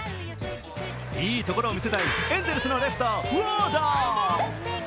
いいところを見せたいエンゼルスのレフト、ウォード。